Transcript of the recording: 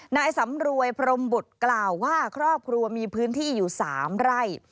นายสำรวยพรมบุตรกล่าวว่าครอบครัวมีพื้นที่อยู่๓ไร่